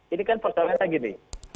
ini kan pertanyaannya gini